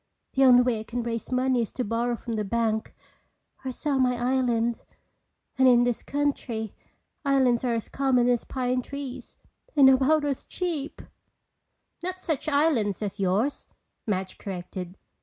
The only way I can raise money is to borrow from the bank or sell my island. And in this country islands are as common as pine trees and about as cheap!" "Not such islands as yours," Madge corrected.